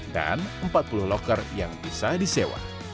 dan empat puluh locker yang bisa disewa